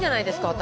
私。